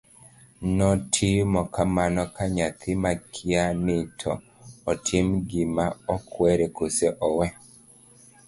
notimo kamano ka nyathi makia ni to otim gima okwere koso owe